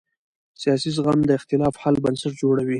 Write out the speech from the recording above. سیاسي زغم د اختلاف حل بنسټ جوړوي